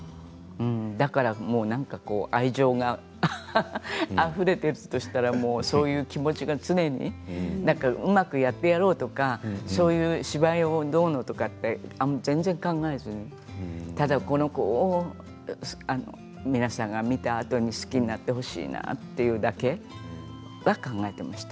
だからもうなんか愛情があふれているとしたらそういう気持ちが常にうまくやってやろうとか芝居がどうのとか全然考えずにただこの子を皆さんが見たあとに好きになってほしいなと思うだけは考えていました。